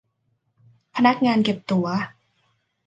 พนักงานเก็บตั๋ว